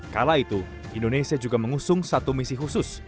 kala itu indonesia juga mengusung satu misi khusus